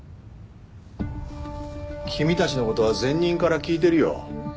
君たちの事は前任から聞いてるよ。